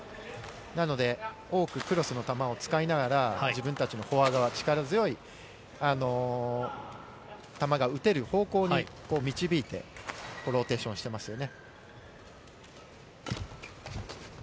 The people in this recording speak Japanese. なので多くクロスの球を使いながら、自分たちのフォア側は力強い球が打てる方向に導いてローテーションしていますね。